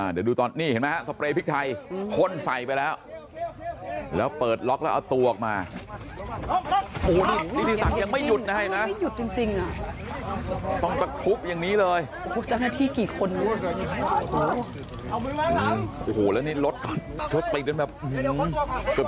เดี๋ยวดูตอนนี้เห็นมั้ยครับสเปรย์พริกไทย